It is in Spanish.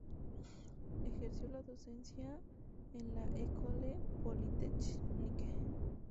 Ejerció la docencia en la "École polytechnique".